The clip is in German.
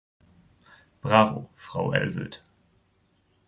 Bravo, Frau Aelvoet.